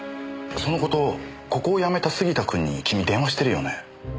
その事をここを辞めた杉田君に君電話してるよね？